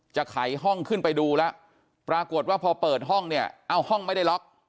ไขห้องขึ้นไปดูแล้วปรากฏว่าพอเปิดห้องเนี่ยเอ้าห้องไม่ได้ล็อก